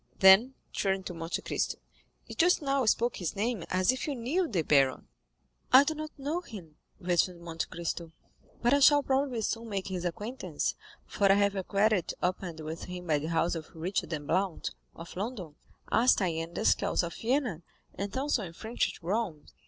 Then, turning to Monte Cristo, "You just now spoke his name as if you knew the baron?" "I do not know him," returned Monte Cristo; "but I shall probably soon make his acquaintance, for I have a credit opened with him by the house of Richard & Blount, of London, Arstein & Eskeles of Vienna, and Thomson & French at Rome."